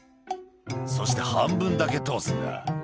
「そして半分だけ通すんだ」